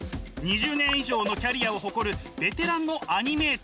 ２０年以上のキャリアを誇るベテランのアニメーターです。